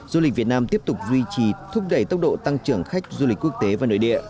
du lịch việt nam tiếp tục duy trì thúc đẩy tốc độ tăng trưởng khách du lịch quốc tế và nội địa